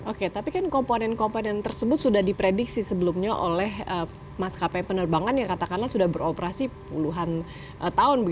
oke tapi kan komponen komponen tersebut sudah diprediksi sebelumnya oleh maskapai penerbangan yang katakanlah sudah beroperasi puluhan tahun